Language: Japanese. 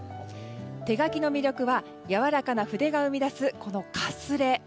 手描きの魅力はやわらかな筆が生み出す、このかすれ。